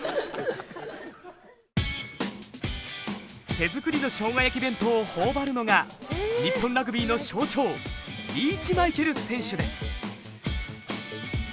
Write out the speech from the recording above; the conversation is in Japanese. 手作りのしょうが焼き弁当を頬張るのが日本ラグビーの象徴リーチマイケル選手です！